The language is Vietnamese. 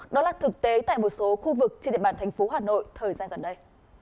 đó là thực tế tại một số khu vực trên địa bàn thành phố hà nội thời gian gần đây